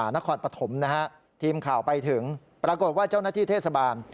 นครปฐมนะฮะทีมข่าวไปถึงปรากฏว่าเจ้าหน้าที่เทศบาล